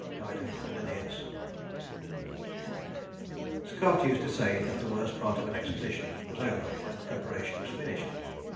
Dido and Aeneas. Scott used to say that the worst part of an expedition was over when the preparation was finished.